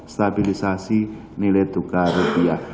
stabilisasi nilai tukar rupiah